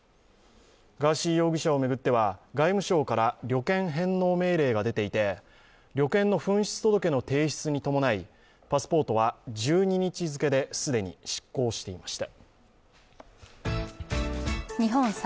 ガーシー容疑者を巡っては外務省から旅券返納命令が出ていて旅券の紛失届の提出に伴いパスポートは１２日付で既に失効していました。